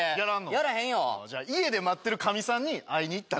やらへんよじゃあ家で待ってるかみさんに会いに行ったら？